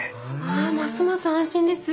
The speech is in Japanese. あますます安心です。